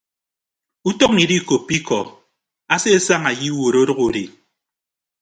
Utọñ idiikoppo ikọ asiesaña ye iwuot ọdʌk udi.